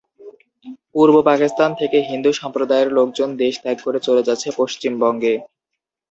পূর্ব পাকিস্তান থেকে হিন্দু সম্প্রদায়ের লোকজন দেশ ত্যাগ করে চলে যাচ্ছে পশ্চিমবঙ্গে।